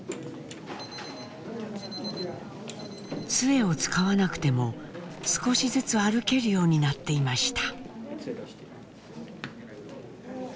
つえを使わなくても少しずつ歩けるようになっていました。